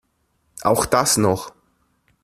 Auch das noch!